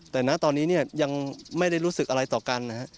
แต่นะตอนนี้เนี่ยยังไม่ได้รู้สึกอะไรต่อกันนะฮะ